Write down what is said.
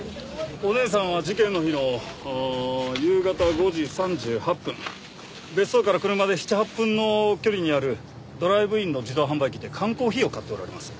お姉さんは事件の日の夕方５時３８分別荘から車で７８分の距離にあるドライブインの自動販売機で缶コーヒーを買っておられます。